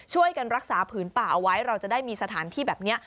ช่วยกันรักษาผืนป่าเอาไว้เราจะได้มีสถานที่แบบนี้